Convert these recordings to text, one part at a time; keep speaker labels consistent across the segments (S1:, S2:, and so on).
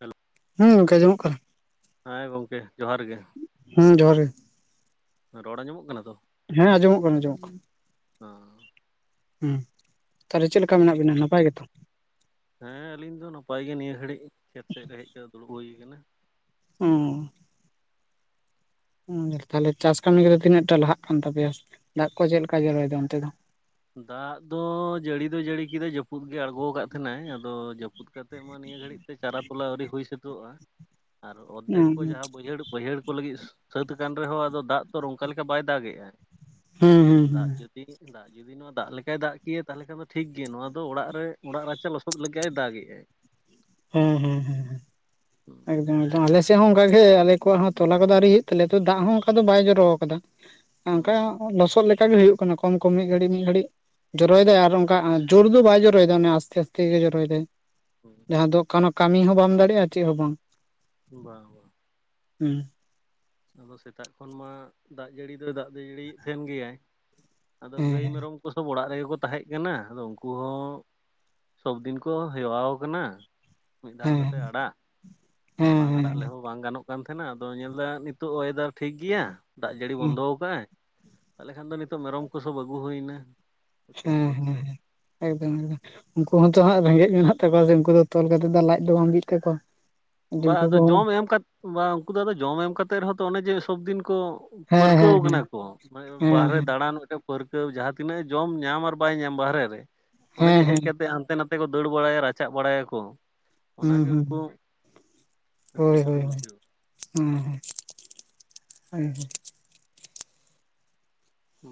S1: ᱦᱮᱞ
S2: ᱦᱩᱸ ᱜᱚᱝᱠᱮ ᱡᱚᱢᱚᱜ ᱠᱟᱱᱟ᱾
S1: ᱦᱮᱸ, ᱜᱚᱝᱠᱮ ᱡᱚᱦᱟᱨ ᱜᱮ᱾
S2: ᱦᱩᱸ ᱡᱚᱦᱟᱨ ᱜᱮ᱾
S1: ᱨᱚᱲ ᱟᱸᱡᱚᱢᱚᱜ ᱠᱟᱱᱟ ᱛᱚ?
S2: ᱦᱮᱸ ᱟᱸᱡᱚᱢᱚᱜ ᱠᱟᱱᱟ ᱟᱸᱚᱢᱚᱜ ᱠᱟ
S1: ᱦᱮᱸ᱾
S2: ᱦᱩᱸ, ᱛᱟᱞᱦᱮ ᱪᱮᱫ ᱞᱮᱠᱟ ᱢᱮᱱᱟᱜ ᱵᱤᱱᱟ ᱱᱟᱯᱟᱭ ᱜᱮᱛᱚ?
S1: ᱦᱮᱸ ᱟᱹᱞᱤᱧ ᱫᱚ ᱱᱟᱯᱟᱭ ᱜᱮ ᱱᱤᱭᱟᱹ ᱜᱷᱟᱹᱲᱤᱡ ᱠᱷᱮᱛ ᱥᱮᱡ ᱨᱮ ᱦᱮᱡ ᱠᱟᱛᱮᱫ ᱫᱩᱲᱩᱵ ᱦᱩᱭ ᱠᱟᱱᱟ᱾
S2: ᱦᱩᱸᱻ ᱦᱩᱸ, ᱛᱟᱦᱞᱮ ᱪᱟᱥ ᱠᱟᱹᱢᱤ ᱠᱚᱫᱚ ᱛᱤᱱᱟᱹᱜ ᱴᱟ ᱞᱟᱦᱟᱜ ᱠᱟᱱ ᱛᱟᱯᱮᱭᱟ, ᱫᱟᱜ ᱠᱚ ᱪᱮᱫ ᱞᱮᱠᱟ ᱡᱚᱨᱚᱭᱫᱟ ᱚᱱᱛᱮ ᱫᱚ?
S1: ᱫᱟᱜ ᱫᱚ ᱡᱟᱹᱲᱤ ᱫᱚ ᱡᱟᱹᱲᱤ ᱠᱮᱫᱟᱭ ᱡᱟᱹᱯᱩᱫ ᱜᱮ ᱟᱬᱜᱚ ᱟᱠᱟᱫ ᱛᱟᱦᱮᱱᱟᱭ ᱟᱫᱚ ᱡᱟᱹᱯ ᱯᱩᱫ ᱠᱟᱛᱮᱫ ᱢᱟ ᱱᱤᱭᱟᱹ ᱜᱷᱟᱹᱲᱤᱡ ᱛᱮ ᱪᱟᱨᱟ ᱛᱚᱞᱟ ᱟᱹᱣᱨᱤ ᱦᱩᱭ ᱥᱟᱹᱛᱚᱜ-ᱟ᱾ ᱟᱨ ᱚᱫᱫᱷᱮᱠ ᱠᱚ
S2: ᱦᱩᱸ
S1: ᱡᱟᱦᱟᱸ ᱵᱟᱹᱭᱦᱟᱹᱲ, ᱵᱟᱹᱭᱦᱟᱹᱲ ᱠᱚ ᱞᱟᱹᱜᱤᱫ ᱥᱟᱹᱛ ᱟᱠᱟᱱ ᱨᱮᱦᱚᱸ ᱟᱫᱚ ᱫᱟᱜ ᱛᱚ ᱱᱚᱝᱠᱟ ᱞᱮᱠᱟ ᱵᱟᱭ ᱫᱟᱜᱮᱜ-ᱟ᱾
S2: ᱦᱩᱸ ᱦᱩᱸ
S1: ᱫᱟᱜ ᱡᱩᱫᱤ ᱫᱟᱜ ᱡᱩᱫᱤ ᱱᱚᱣᱟ ᱫᱟᱜ ᱞᱮᱠᱟᱭ ᱫᱟᱜ ᱠᱮᱭᱟ ᱛᱟᱦᱞᱮ ᱠᱷᱟᱱ ᱫᱚ ᱴᱷᱤᱠ ᱜᱮᱭᱟ᱾ ᱱᱚᱣᱟ ᱫᱚ ᱚᱲᱟᱜ ᱨᱮ ᱚᱲᱟᱜ ᱨᱟᱪᱟ ᱞᱚᱥᱚᱫ ᱞᱮᱠᱟᱭ ᱫᱟᱜ ᱜᱮᱜ-ᱟᱭ᱾ [inaudible]
S2: ᱦᱮᱸ ᱦᱮᱸ ᱦᱮᱸ ᱦᱮᱸ [unintelligible] ᱦᱮᱸ, ᱱᱤᱛᱚᱝ ᱟᱞᱮ ᱥᱮᱫ ᱦᱚᱸ ᱚᱝᱠᱟᱜᱮ᱾ ᱟᱞᱮ ᱠᱚᱣᱟᱜ ᱦᱚᱸ ᱛᱚᱞᱟ ᱠᱚᱫᱚ ᱟᱹᱣᱨᱤ ᱦᱩᱭᱩᱜ ᱛᱟᱞᱮᱭᱟ᱾ ᱛᱚ, ᱫᱟᱜ ᱦᱚᱸ ᱚᱝᱠᱟ ᱫᱚ ᱵᱟᱭ ᱡᱚᱨᱚ ᱟᱠᱟᱫᱟ᱾
S1: ᱦᱩᱸ
S2: ᱚᱝᱠᱟ ᱞᱚᱥᱚᱫ ᱞᱮᱠᱟᱜᱮ ᱦᱩᱭᱩᱜ ᱠᱟᱱᱟ ᱠᱚᱢ ᱠᱚᱢ ᱢᱤᱫ ᱜᱷᱟᱹᱲᱤᱡ ᱢᱤᱫ ᱜᱷᱟᱹᱲᱤᱡ᱾ ᱡᱚᱨᱚᱭᱮᱫᱟᱭ ᱟᱨ ᱚᱝᱠᱟ ᱡᱳᱨ ᱫᱚ ᱵᱟᱭ ᱡᱚᱨᱚᱭᱮᱫᱟᱭ ᱚᱱᱮ ᱟᱥᱛᱮ ᱟᱥᱛᱮ ᱜᱮ ᱡᱚᱨᱚᱭᱮᱫᱟᱭ᱾
S1: ᱦᱩᱸ᱾
S2: ᱡᱟᱦᱟᱸ ᱫᱚ ᱠᱚᱱᱳ ᱠᱟᱹᱢᱤ ᱦᱚᱸ ᱵᱟᱢ ᱫᱟᱲᱮᱭᱟᱜ-ᱟ ᱪᱮᱫ ᱦᱚᱸ ᱵᱟᱝ᱾
S1: ᱵᱟᱝ, ᱵᱟ᱾
S2: ᱦᱩᱸ᱾
S1: ᱟᱫᱚ ᱥᱮᱛᱟᱜ ᱠᱷᱚᱱ ᱢᱟ ᱫᱟᱜ ᱡᱟᱹᱲᱤ ᱫᱚᱭ ᱫᱟᱜ ᱫᱚᱭ ᱡᱟᱹᱲᱤᱭᱮᱫ ᱛᱟᱦᱮᱱ ᱜᱮᱭᱟᱭ ᱟᱫᱚ
S2: ᱦᱮᱸ
S1: ᱜᱟᱹᱭ
S2: ᱦᱮᱸ
S1: ᱢᱮᱨᱚᱢ ᱚᱲᱟᱜ ᱨᱮᱜᱮ ᱠᱚ ᱛᱟᱦᱮᱸᱜ ᱠᱟᱱᱟ ᱟᱫᱚ ᱩᱝᱠᱩ ᱦᱚᱸ ᱥᱚᱵ ᱫᱤᱱ ᱠᱚ ᱦᱮᱣᱟᱣ ᱠᱟᱱᱟ᱾ ᱢᱤᱫ ᱫᱷᱟᱣ
S2: ᱦᱮᱸ
S1: ᱠᱟᱛᱮᱫ ᱟᱲᱟᱜ, ᱟᱫᱚ
S2: ᱦᱮᱸ
S1: ᱵᱟᱝ
S2: ᱦᱮᱸ
S1: ᱟᱲᱟᱜ ᱞᱮᱦᱚᱸ ᱵᱟᱝ ᱜᱟᱱᱚᱜ ᱠᱟᱱ ᱛᱟᱦᱮᱱᱟ ᱟᱫᱚ ᱧᱮᱞᱫᱟ ᱱᱤᱛ ᱛᱚ, ᱚᱭᱮᱫᱟᱨ ᱴᱷᱤᱠ ᱜᱮᱭᱟ ᱫᱟᱜ ᱡᱟᱹᱲᱤ
S2: ᱦᱮᱸ
S1: ᱵᱚᱱᱫᱚ ᱠᱟᱜ-ᱟᱭ ᱛᱟᱦᱞᱮ ᱠᱷᱟᱱ ᱫᱚ ᱱᱤᱛᱚᱜ ᱢᱮᱨᱚᱢ ᱠᱚ ᱥᱚᱵ ᱟᱹᱜᱩ ᱦᱩᱭᱱᱟ᱾ ᱠᱷᱮᱛ
S2: ᱦᱮᱸ
S1: ᱵᱟᱹᱫᱽ
S2: ᱦᱮᱸ
S1: ᱥᱮᱫ
S2: ᱦᱮᱸ, ᱮᱠᱫᱚᱢ ᱮᱠᱫᱚᱢ᱾ ᱩᱱᱠᱩ ᱦᱚᱸᱛᱚ ᱦᱟᱜ ᱨᱮᱸᱜᱮᱡ ᱢᱮᱱᱟᱜ ᱛᱟᱠᱚᱣᱟ ᱥᱮ ᱩᱱᱠᱩ ᱫᱚ ᱛᱚᱞ ᱠᱟᱛᱮᱜ ᱫᱚ ᱞᱟᱡ ᱫᱚ ᱵᱟᱝ ᱵᱤᱜ ᱛᱟᱠᱚᱣᱟ᱾
S1: ᱵᱟ
S2: ᱩᱱᱠᱩ
S1: ᱟᱫᱚ
S2: ᱠᱚᱦᱚᱸ
S1: ᱡᱚᱢ ᱮᱢ ᱠᱟᱫ, ᱵᱟ ᱩᱱᱠᱩ ᱫᱚ ᱟᱫᱚ ᱡᱚᱢ ᱮᱢ ᱠᱟᱛᱮᱫ ᱨᱮᱦᱚᱸ ᱛᱚ ᱚᱱᱮ ᱡᱮ ᱥᱚᱵᱫᱤᱱ ᱠᱚ
S2: ᱦᱮᱸ
S1: ᱯᱟᱹᱨᱠᱟᱹᱣ
S2: ᱦᱮᱸ
S1: ᱠᱟᱱᱟ
S2: ᱦᱮᱸ
S1: ᱠᱚ ᱢᱟᱱᱮ ᱵᱟᱨᱦᱮ ᱫᱟᱬᱟᱱ, ᱯᱟᱹᱨᱠᱟᱹᱣ ᱡᱟᱦᱟᱸ ᱛᱤᱱᱟᱹᱜ ᱡᱚᱢ ᱧᱟᱢ ᱟᱨ ᱵᱟᱭ ᱧᱟᱢ ᱵᱟᱦᱨᱮ ᱨᱮ, ᱚᱱᱮ ᱡᱮ
S2: ᱦᱮᱸ ᱦᱮᱸ ᱦᱮᱸ
S1: ᱦᱮᱡ
S2: ᱦᱮᱸ
S1: ᱠᱟᱛᱮ ᱦᱟᱱᱛᱮ ᱱᱟᱛᱮ ᱛᱮᱠᱚ ᱫᱟᱹᱲ ᱵᱟᱲᱟᱭᱟ ᱨᱟᱪᱟᱜ ᱵᱟᱲᱟᱭᱟᱠᱚ ᱚᱱᱟ
S2: ᱦᱩᱸ
S1: ᱜᱮ
S2: ᱦᱩᱸ
S1: ᱩᱱᱠᱩ ᱴᱷᱤᱠ
S2: ᱦᱳᱭ ᱦᱳᱭ
S1: ᱠᱚ
S2: ᱦᱳᱭ
S1: ᱵᱩᱡᱷᱟᱹᱣᱟ
S2: ᱦᱮᱸ ᱦᱮᱸ ᱦᱳᱭ ᱦᱳᱭ᱾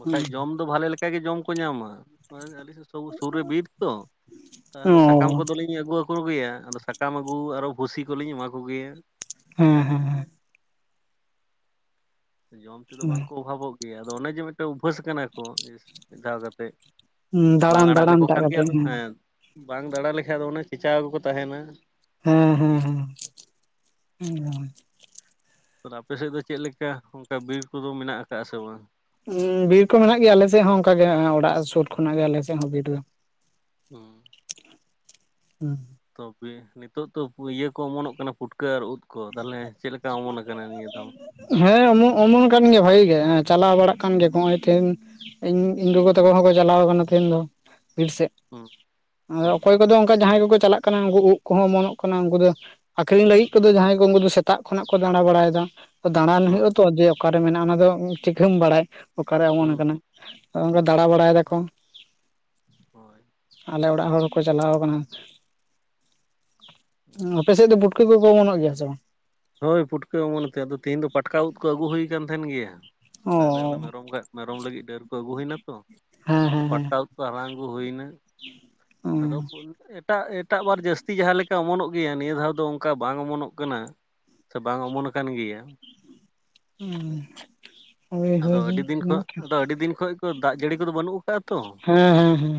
S1: ᱵᱟᱠᱷᱟᱡ ᱡᱚᱢ ᱫᱚ ᱵᱷᱟᱞᱮ ᱞᱮᱠᱟᱜᱮ ᱡᱚᱢ ᱠᱚ ᱧᱟᱢᱟ᱾ [inaudible] ᱥᱚᱵᱩ ᱥᱩᱨ ᱨᱮ ᱵᱤᱨ ᱛᱚ
S2: ᱚ
S1: ᱛᱟᱦᱚᱞᱮ ᱥᱟᱠᱟᱢ ᱠᱚᱫᱚ ᱞᱤᱧ ᱤᱧ ᱟᱹᱜᱩ ᱟᱠᱚ ᱜᱮᱭᱟ ᱟᱫᱚ ᱥᱟᱠᱟᱢ ᱟᱹᱜᱩ ᱟᱨᱦᱚ ᱵᱷᱩᱥᱤ ᱠᱚᱞᱤᱧ ᱮᱢᱟ ᱠᱚᱜᱮᱭᱟ᱾
S2: ᱦᱮᱸ ᱦᱮᱸ ᱦᱮᱸ᱾
S1: ᱡᱚᱢ ᱛᱮᱫᱚ
S2: ᱦᱮᱸ
S1: ᱵᱟᱝᱠᱚ ᱚᱵᱷᱟᱵᱚᱜ ᱜᱮᱭᱟ ᱟᱫᱚ ᱚᱱᱮ ᱡᱮ ᱢᱤᱫᱴᱮᱱ ᱩᱵᱟᱹᱥ ᱠᱟᱱᱟ᱾ [inaudible] ᱢᱤᱫ ᱫᱷᱟᱣ ᱠᱟᱛᱮ ᱵᱟᱝ
S2: ᱫᱟᱬᱟᱱ
S1: ᱟᱲᱟᱜ
S2: ᱫᱟᱬᱟᱱ
S1: ᱞᱮᱠᱚ
S2: ᱴᱟᱜ
S1: ᱠᱷᱟᱱ ᱜᱮ
S2: ᱠᱟᱛᱮ
S1: ᱟᱫᱚ ᱦᱮᱸ ᱵᱟᱝ ᱫᱟᱲᱟ ᱞᱮᱠᱷᱟᱡ ᱫᱚ ᱚᱱᱮ ᱪᱮᱪᱟᱣ ᱜᱮᱠᱚ ᱛᱟᱦᱮᱱᱟ᱾
S2: ᱦᱮᱸ ᱦᱮᱸ
S1: ᱮᱠᱤᱨᱮ
S2: ᱦᱮᱸ, ᱮᱠᱫᱚᱢ᱾
S1: ᱟᱨ ᱟᱯᱮ ᱥᱮᱫ ᱫᱚ ᱪᱮᱫ ᱞᱮᱠᱟ ᱚᱱᱠᱟ ᱵᱤᱨ ᱠᱚᱫᱚ ᱢᱮᱱᱟᱜ ᱠᱟᱫᱟ ᱥᱮ ᱵᱟᱝ?
S2: ᱩᱸ ᱵᱤᱨ ᱠᱚ ᱢᱮᱱᱟᱜ ᱜᱮᱭᱟ ᱟᱞᱮ ᱥᱮᱫ ᱦᱚᱸ ᱚᱱᱠᱟ ᱜᱮ ᱚᱲᱟᱜ ᱥᱩᱨ ᱠᱷᱚᱱᱟᱜ ᱜᱮ ᱟᱞᱮ ᱥᱮᱫ ᱦᱚᱸ ᱵᱤᱨ ᱫᱚ᱾
S1: ᱦᱩᱸ,
S2: ᱦᱩᱸ,
S1: ᱛᱚᱵᱮ ᱱᱤᱛᱚᱜ ᱛᱚ ᱤᱭᱟᱹ ᱠᱚ ᱚᱢᱚᱱᱚᱜ ᱠᱟᱱᱟ ᱯᱩᱴᱠᱟᱹ ᱟᱨ ᱩᱫ, ᱠᱚ ᱛᱟᱦᱚᱞᱮ ᱪᱮᱫ ᱞᱮᱠᱟ ᱚᱢᱚᱱ ᱠᱟᱱᱟ ᱱᱤᱭᱟᱹ ᱫᱷᱟᱣ᱾
S2: ᱦᱮᱸ ᱚᱢ ᱚᱢᱚᱱ ᱠᱟᱱ ᱜᱮᱭᱟ ᱵᱷᱟᱜᱤ ᱜᱮ ᱪᱟᱞᱟᱣ ᱵᱟᱲᱟᱜ ᱠᱟᱱ ᱜᱮᱠᱚ ᱱᱚᱜ-ᱚᱭ ᱛᱮᱦᱤᱧ, ᱤᱧ ᱤᱧ ᱜᱚᱜᱚ ᱛᱟᱠᱚ ᱦᱚᱸᱠᱚ ᱪᱟᱞᱟᱣ ᱠᱟᱱᱟ ᱛᱮᱦᱤᱧ ᱫᱚ ᱵᱤᱨ ᱥᱮᱡ᱾
S1: ᱦᱩᱸ
S2: ᱟᱫᱚ
S1: ᱦᱩᱸ
S2: ᱚᱠᱚᱭ ᱠᱚᱫᱚ ᱚᱱᱠᱟ ᱡᱟᱦᱟᱸᱭ ᱠᱚᱠᱚ ᱪᱟᱞᱟᱜ ᱠᱟᱱᱟ ᱩᱱᱠᱩ ᱩᱫ ᱠᱚᱦᱚᱸ ᱚᱢᱚᱱᱚᱜ ᱠᱟᱱᱟ ᱩᱱᱠᱩ ᱫᱚ ᱟᱠᱷᱹᱨᱤᱧ ᱞᱟᱹᱜᱤᱫ ᱠᱚᱫᱚ ᱡᱟᱦᱟᱸᱭ ᱩᱱᱠᱩ ᱫᱚ ᱥᱮᱛᱟᱜ ᱠᱷᱚᱱᱟᱜ ᱠᱚ ᱫᱟᱬᱟ ᱵᱟᱲᱟᱭ ᱫᱟ ᱫᱟᱬᱟᱱ
S1: ᱦᱳᱭ
S2: ᱦᱩᱭᱩᱜ-ᱟ ᱛᱚ ᱡᱮ ᱚᱠᱟᱨᱮ ᱢᱮᱱᱟᱜ-ᱟ ᱚᱱᱟ ᱫᱚ ᱪᱤᱠᱟᱹᱢ ᱵᱟᱲᱟᱭ ᱚᱠᱟᱨᱮ
S1: ᱦᱩᱸ
S2: ᱚᱢᱚᱱ ᱠᱟᱱᱟ ᱚᱱᱠᱟ
S1: ᱦᱩᱸ
S2: ᱫᱟᱬᱟ ᱵᱟᱲᱟᱭ ᱫᱟᱠᱚ᱾
S1: ᱦᱳᱭ᱾
S2: ᱟᱞᱮ ᱚᱲᱟᱜ ᱦᱚᱲᱠᱚ ᱪᱟᱞᱟᱣ ᱠᱟᱱᱟ᱾ [inaudible] ᱟᱯᱮ ᱥᱮᱫ ᱫᱚ ᱵᱩᱴᱠᱟᱹ ᱠᱚᱠᱚ ᱚᱢᱚᱱᱚᱜ ᱜᱮᱭᱟ ᱥᱮ ᱵᱟᱝ?
S1: ᱦᱳᱭ ᱯᱩᱴᱠᱟᱹ ᱚᱢᱚᱱ ᱟᱠᱟᱱ ᱟᱫᱚ ᱛᱮᱦᱤᱧ ᱫᱚ ᱯᱟᱴᱠᱟ ᱩᱫ ᱠᱚ ᱟᱹᱜᱩ ᱦᱩᱭ ᱠᱟᱱ ᱛᱟᱦᱮᱱ ᱜᱮᱭᱟ ᱾ᱥᱮᱛᱟᱜ ᱨᱮ ᱚᱱᱮ
S2: ᱚ
S1: ᱢᱮᱨᱚᱢ, ᱢᱮᱨᱚᱢ ᱞᱟᱹᱜᱤᱫ ᱰᱟᱹᱨ ᱠᱚ ᱟᱹᱜᱩ ᱦᱩᱭᱱᱟ ᱛᱚ,
S2: ᱦᱮᱸ
S1: ᱟᱫᱚ
S2: ᱦᱮᱸ ᱦᱮᱸ
S1: ᱯᱟᱴᱠᱟ ᱩᱫ ᱠᱚ ᱦᱟᱞᱟᱝ ᱟᱹᱜᱩ ᱦᱩᱭ ᱱᱟ᱾ ᱟᱫᱚ ᱯᱷᱩᱞ ᱮᱯ, ᱮᱴᱟᱜ ᱮᱴᱟᱜ ᱵᱟᱨ ᱡᱟᱹᱥᱛᱤ ᱡᱟᱦᱟᱸ ᱞᱮᱠᱟ ᱚᱢᱚᱱᱚᱜ ᱜᱮᱭᱟ ᱱᱤᱭᱟᱹ ᱫᱷᱟᱣ ᱫᱚ ᱚᱱᱠᱟ ᱵᱟᱝ ᱚᱢᱚᱱᱚᱜ ᱠᱟᱱᱟ᱾ ᱥᱮ ᱵᱟᱝ ᱚᱢᱚᱱ ᱠᱟᱱ ᱜᱮᱭᱟ᱾
S2: ᱦᱩᱸ,
S1: ᱟᱫᱚ ᱟᱹᱰᱤ ᱫᱤᱱ ᱠᱷᱚᱱ ᱟᱫ ᱟᱹᱰᱤ ᱫᱤᱱ ᱠᱷᱚᱡ ᱛᱚ ᱫᱟᱜ ᱡᱟᱹᱲᱤ ᱠᱚᱫᱚ ᱵᱟᱹᱱᱩᱜ ᱠᱟᱜᱼᱟ ᱛᱚ᱾
S2: ᱦᱮᱸ ᱦᱮᱸ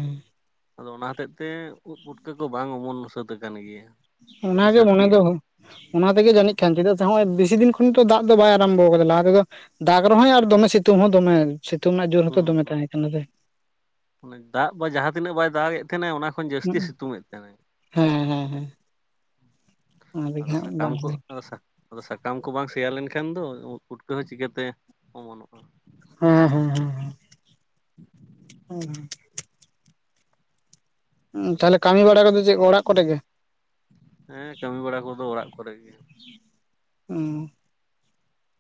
S1: ᱟᱫᱚ ᱚᱱᱟ ᱦᱚᱛᱮᱫ ᱛᱮ ᱩᱫ ᱯᱩᱴᱠᱟᱹ ᱠᱚ ᱵᱟᱝ ᱚᱢᱚᱱ ᱥᱟᱹᱛ ᱟᱠᱟᱱ ᱜᱮᱭᱟ᱾ ᱟᱹᱣᱨᱤ
S2: ᱚᱱᱟᱜᱮ ᱢᱚᱱᱮ
S1: ᱥᱟᱹᱨᱫᱤᱜᱼᱟ
S2: ᱫᱚ, ᱚᱱᱟ ᱛᱮᱜᱮ
S1: ᱦᱩᱸ
S2: ᱡᱟᱹᱱᱤᱡ ᱠᱷᱟᱱ ᱪᱮᱫᱟᱜ ᱥᱮ ᱱᱚᱜᱼᱚᱭ ᱵᱮᱥᱤ ᱫᱤᱱ ᱠᱷᱚᱱ ᱛᱚ ᱫᱟᱜ ᱫᱚ ᱵᱟᱭ ᱟᱨᱚᱢᱵᱷᱚ ᱠᱟᱫᱟ ᱞᱟᱦᱟ ᱛᱮᱫᱚ, ᱫᱟᱜᱽ ᱨᱮᱦᱚᱸᱭ ᱟᱨ ᱫᱚᱢᱮ ᱥᱤᱛᱩᱝ ᱦᱚᱸ ᱫᱚᱢᱮ, ᱥᱤᱛᱩᱝ ᱨᱮᱱᱟᱜ ᱡᱳᱨ
S1: ᱦᱩᱸ
S2: ᱦᱚᱸᱛᱚ ᱫᱚᱢᱮ
S1: ᱦᱩᱸ
S2: ᱛᱟᱦᱮᱸ ᱠᱟᱱᱟ ᱥᱮ᱾
S1: ᱫᱟᱜ ᱡᱟᱦᱟᱸ ᱛᱤᱱᱟᱹᱜ ᱵᱟᱭ ᱫᱟᱜ ᱮᱫ ᱛᱟᱦᱮᱱᱟ ᱚᱱᱟ ᱠᱷᱚᱱ ᱡᱟᱹᱥᱛᱤ ᱥᱤᱛᱩᱝ ᱮᱫ ᱛᱟᱦᱮᱱᱟᱭ᱾
S2: ᱦᱮᱸ ᱦᱮᱸ ᱦᱮᱸ ᱚᱱᱟ ᱛᱮᱜᱮ
S1: ᱟᱫᱚ
S2: ᱦᱟᱸᱜ
S1: ᱥᱟᱠᱟᱢ
S2: ᱵᱟᱝ
S1: ᱠᱚ
S2: ᱦᱩᱭ
S1: ᱥᱟᱠ ᱟᱫᱚ ᱥᱟᱠᱟᱢ ᱠᱚ ᱵᱟᱝ ᱥᱮᱸᱭᱟ ᱞᱮᱱᱠᱷᱟᱱ ᱫᱚ ᱳᱫ ᱯᱩᱴᱠᱟᱹ ᱦᱚᱸ ᱪᱤᱠᱟᱹᱛᱮ ᱚᱢᱚᱱᱚᱜᱼᱟ᱾
S2: ᱦᱮᱸ ᱦᱮᱸ ᱦᱮᱸ ᱦᱮᱸ ᱦᱮᱸ, ᱛᱟᱦᱚᱞᱮ ᱠᱟᱹᱢᱤ ᱵᱟᱲᱟ ᱠᱚᱫᱚ ᱪᱮᱫ ᱚᱲᱟᱜ ᱠᱚᱨᱮ ᱜᱮ?
S1: ᱦᱮᱸ ᱠᱟᱹᱢᱤ ᱵᱟᱲᱟ ᱠᱚᱫᱚ ᱚᱲᱟᱜ ᱠᱚᱨᱮ ᱜᱮ᱾
S2: ᱚᱸᱻ